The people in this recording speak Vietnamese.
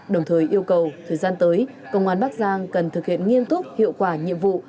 đồng thời yêu cầu thời gian tới công an bắc giang cần thực hiện nghiêm túc hiệu quả nhiệm vụ